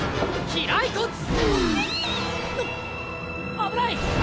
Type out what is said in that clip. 危ない！